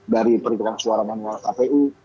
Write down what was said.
dari perhitungan suara manual kpu